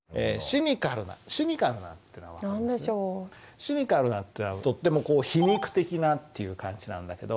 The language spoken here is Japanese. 「シニカルな」ってのはとってもこう皮肉的なっていう感じなんだけど。